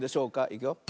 いくよ。